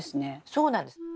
そうなんです。